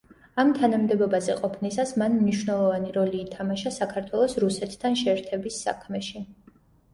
ამ თანამდებობაზე ყოფნისას მან მნიშვნელოვანი როლი ითამაშა საქართველოს რუსეთთან შეერთების საქმეში.